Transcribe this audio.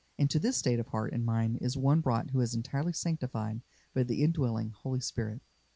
Into this state of heart and mind is one brought who is entirely sanctified by the indwelling Holy Spirit.